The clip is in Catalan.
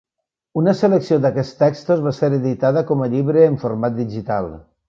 Una selecció d'aquests textos va ser editada com a llibre en format digital.